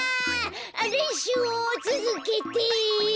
れんしゅうをつづけて！